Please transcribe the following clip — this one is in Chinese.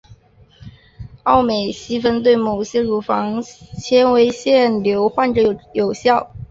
奥美昔芬对某些乳房纤维腺瘤患者有效。